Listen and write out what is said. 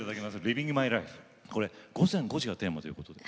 これ午前５時がテーマということで。